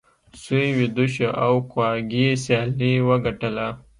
سوی ویده شو او کواګې سیالي وګټله.